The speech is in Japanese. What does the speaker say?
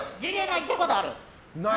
行ったことない？